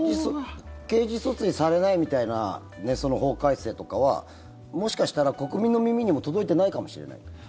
刑事訴追されないみたいな法改正とかはもしかしたら国民の耳にも届いていないかもしれない？